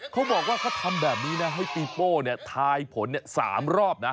เขาบอกว่าเขาทำแบบนี้นะให้ปีโป้ทายผล๓รอบนะ